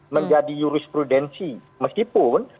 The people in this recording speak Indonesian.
menjadi jurisprudensi meskipun